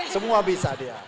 semua bisa dia